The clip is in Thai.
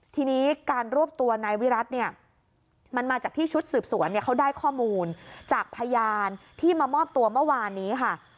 ทีนี้การรวบตัวนายวิรัติเนี่ยมันมาจากที่ชุดสืบสวนเนี่ยเขาได้ข้อมูลจากพยานที่มามอบตัวเมื่อวานนี้ค่ะ